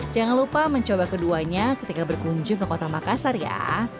jangan lupa mencoba keduanya ketika berkunjung ke kota makassar ya